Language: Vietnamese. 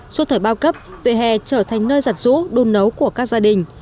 suốt thời bao cấp vỉa hè trở thành nơi giặt rũ đun nấu của các gia đình